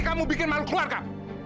kamu bikin malu keluarga